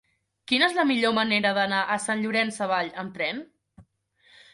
Quina és la millor manera d'anar a Sant Llorenç Savall amb tren?